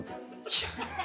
いや。